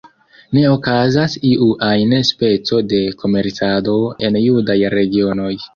Ne okazas iu ajn speco de komercado en judaj regionoj.